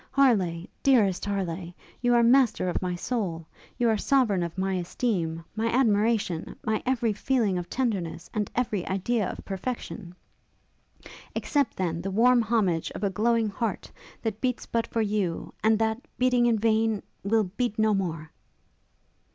Harleigh! dearest Harleigh! you are master of my soul! you are sovereign of my esteem, my admiration, my every feeling of tenderness, and every idea of perfection! Accept, then, the warm homage of a glowing heart, that beats but for you; and that, beating in vain, will beat no more!'